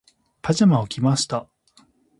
パジャマを着ました。